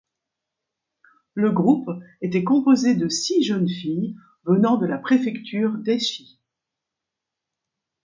Le groupe était composé de six jeunes filles venant de la Préfecture d'Aichi.